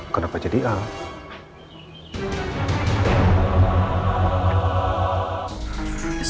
kenapa jadi alat